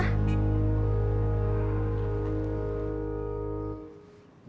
di belakang kamu